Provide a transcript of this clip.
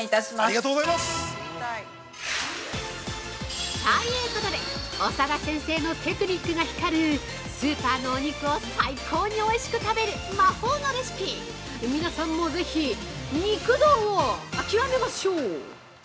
◆ということで長田先生のテクニックが光るスーパーのお肉を最高においしく食べる魔法のレシピ、皆さんもぜひ肉道を極めましょう。